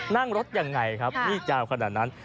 นั่งรถยังไงครับมีดยาวขนาดนั้น